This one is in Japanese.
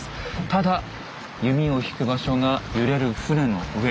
ただ弓を引く場所が揺れる船の上。